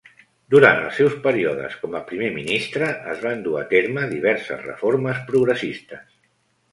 Durant els seus períodes com a primer ministre, es van dur a terme diverses reformes progressistes.